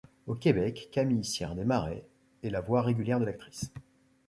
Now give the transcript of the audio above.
Au Québec, Camille Cyr-Desmarais est la voix régulière de l'actrice.